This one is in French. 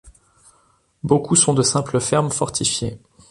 Beaucoup sont de simples fermes fortifiées.